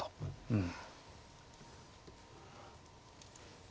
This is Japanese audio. うん。